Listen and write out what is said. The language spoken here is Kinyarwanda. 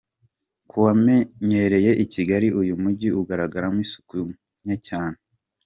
Ku wamenyereye i Kigali, uyu mujyi ugaragaramo isuku nke cyane.